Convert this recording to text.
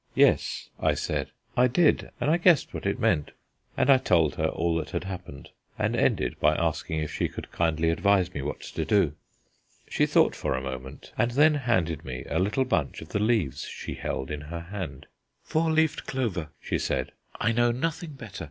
"Yes," I said, "I did, and I guessed what it meant." And I told her all that had happened, and ended by asking if she could kindly advise me what to do. She thought for a moment, and then handed me a little bunch of the leaves she held in her hand. "Four leaved clover," she said. "I know nothing better.